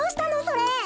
それ。